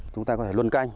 chúng ta có thể luân canh